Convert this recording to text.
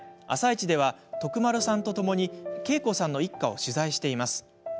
「あさイチ」では徳丸さんとともにケイコさんの一家を取材しています。